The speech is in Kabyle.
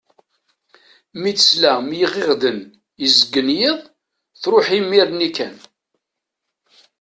Mi tesla m yiɣiɣden izeggen yiḍ, truḥ imir-nni kan.